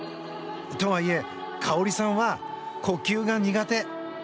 とはいえ、花織さんは呼吸が苦手。